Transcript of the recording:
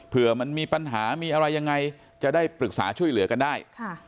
เพื่อมันมีปัญหามีอะไรยังไงจะได้ปรึกษาช่วยเหลือกันได้